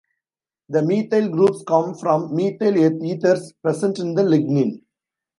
The methyl groups come from methyl ethers present in the lignin.